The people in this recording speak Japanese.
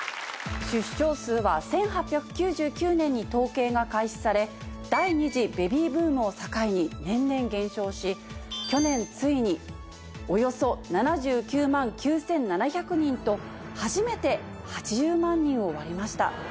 出生数は１８９９年に統計が開始され第２次ベビーブームを境に年々減少し去年ついにおよそ７９万９７００人と初めて８０万人を割りました。